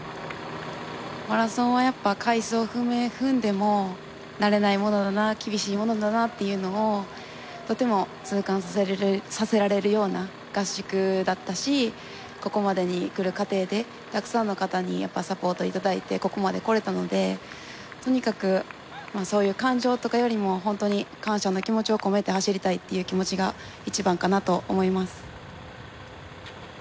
マラソンは、やっぱ回数を踏んでも慣れないものだな厳しいものだなっていうのをとても痛感させられるような合宿だったしここまでに来る過程でたくさんの方にサポートいただいてここまで来られたので、とにかくそういう感情とかよりも本当に感謝の気持ちを込めて走りたいというのが一番かなと思います。